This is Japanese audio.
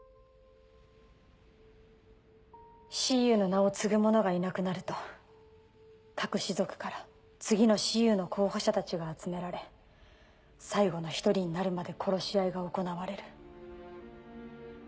蚩尤の名を継ぐ者がいなくなると各氏族から次の蚩尤の候補者たちが集められ最後の１人になるまで殺し合いが行われる。